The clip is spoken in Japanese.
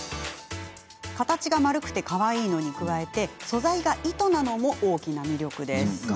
形が丸くてかわいいのに加えて素材が糸なのも大きな魅力。